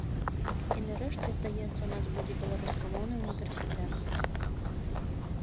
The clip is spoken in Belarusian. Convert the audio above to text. І, нарэшце, здаецца, у нас будзе беларускамоўны універсітэт.